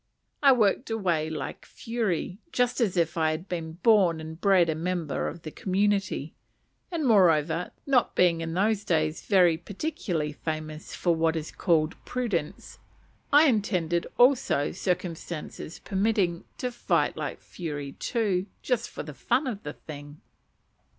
I worked away like fury, just as if I had been born and bred a member of the community; and moreover, not being in those days very particularly famous for what is called prudence, I intended also, circumstances permitting, to fight like fury too, just for the fun of the thing.